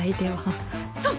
そう。